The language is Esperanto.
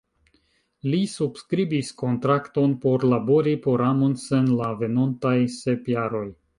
Li subskribis kontrakton por labori por Amundsen la venontaj sep jaroj.